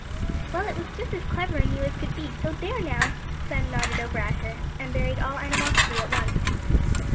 "Well; it was just as clever in you as could be, so there now!" Clem nodded over at her, and buried all animosity at once.